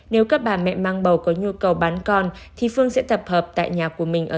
nếu các bà mẹ mang bầu có nhu cầu bán con thì phương sẽ tập hợp tại nhà của mình ở